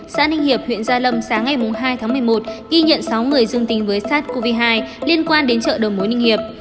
xã ninh hiệp huyện gia lâm sáng ngày hai tháng một mươi một ghi nhận sáu người dương tính với sars cov hai liên quan đến chợ đầu mối ninh hiệp